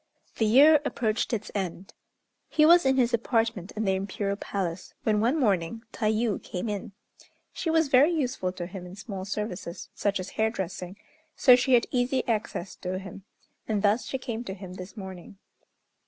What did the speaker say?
The year approached its end! He was in his apartment in the Imperial Palace, when one morning Tayû came in. She was very useful to him in small services, such as hairdressing, so she had easy access to him, and thus she came to him this morning.